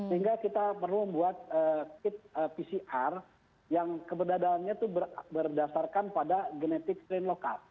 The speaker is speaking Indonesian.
sehingga kita perlu membuat kit pcr yang keberadaannya itu berdasarkan pada genetik strain lokal